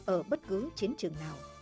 ở bất cứ chiến trường nào